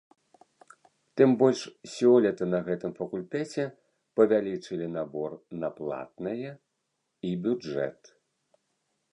Тым больш сёлета на гэтым факультэце павялічылі набор на платнае і бюджэт.